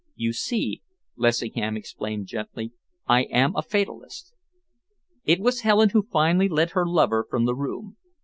"You see," Lessingham explained gently. "I am a fatalist!" It was Helen who finally led her lover from the room.